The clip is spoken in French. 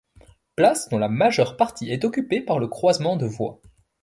Place dont la majeure partie est occupée par le croisement de voies.